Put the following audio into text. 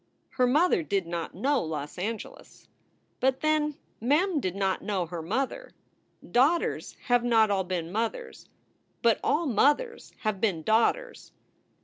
Her mother did not know Los Angeles. But then, Mem did not know her mother. Daughters have not all been mothers, but all mothers have been daugh ters.